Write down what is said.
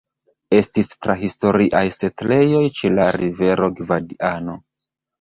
Estis prahistoriaj setlejoj ĉe la rivero Gvadiano.